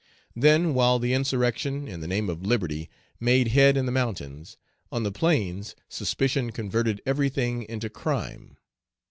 Then, while the insurrection, in the name of liberty, made head in the mountains, on the plains suspicion converted everything into crime.